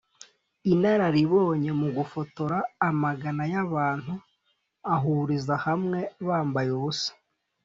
Inararibonye mu gufotora amagana y’abantu ahuriza hamwe bambaye ubusa